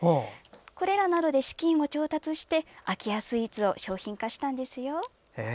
これらなどで資金を調達して空家スイーツを商品化したんですよ。